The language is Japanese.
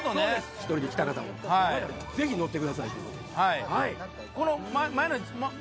１人で来た方もぜひ乗ってください。